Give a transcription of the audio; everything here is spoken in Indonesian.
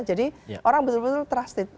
jadi orang betul betul trusted